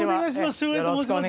照英と申します。